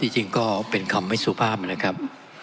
จริงก็เป็นคำไม่สุภาพนะครับ